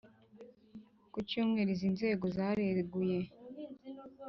Ku cyumweru, izi nzego zareguye